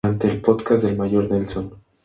Durante el podcast del Mayor Nelson.